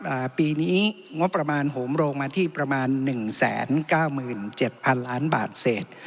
อ่าปีนี้งบประมาณโหมโรงมาที่ประมาณหนึ่งแสนเก้าหมื่นเจ็ดพันล้านบาทเศษ